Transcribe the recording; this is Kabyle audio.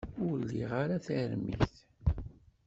Ur liɣ ara tarmit.